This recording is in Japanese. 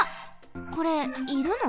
これいるの？